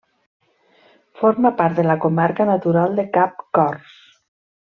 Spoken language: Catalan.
Forma part de la comarca natural de Cap Cors.